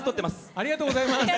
ありがとうございます。